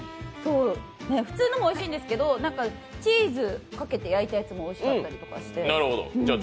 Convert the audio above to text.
普通のもおいしいんですけど、チーズかけて焼いたやつもおいしかったりして。